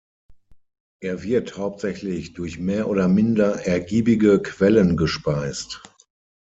Er wird hauptsächlich durch mehr oder minder ergiebige Quellen gespeist.